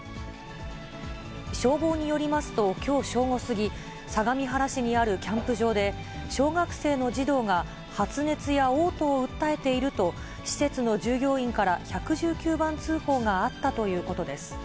消防によりますと、きょう正午過ぎ、相模原市にあるキャンプ場で、小学生の児童が発熱やおう吐を訴えていると、施設の従業員から１１９番通報があったということです。